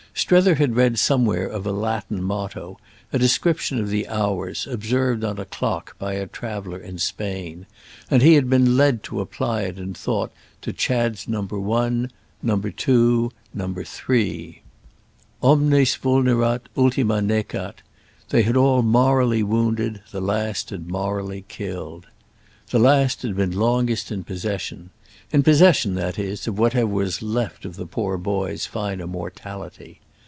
Strether had read somewhere of a Latin motto, a description of the hours, observed on a clock by a traveller in Spain; and he had been led to apply it in thought to Chad's number one, number two, number three. Omnes vulnerant, ultima necat—they had all morally wounded, the last had morally killed. The last had been longest in possession—in possession, that is, of whatever was left of the poor boy's finer mortality.